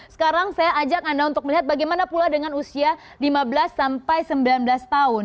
sekarang saya ajak anda untuk melihat bagaimana pula dengan usia lima belas sampai sembilan belas tahun